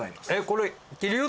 これ。